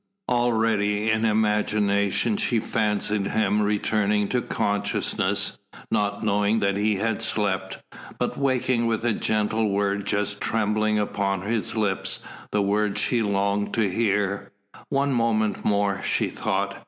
Already in imagination she fancied him returning to consciousness, not knowing that he had slept, but waking with a gentle word just trembling upon his lips, the words she longed to hear. One moment more, she thought.